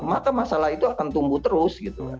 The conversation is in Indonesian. maka masalah itu akan tumbuh terus gitu kan